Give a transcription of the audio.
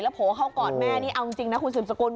แล้วโผล่เข้าก่อนแม่นี่เอาจริงนะคุณศูนย์สกุล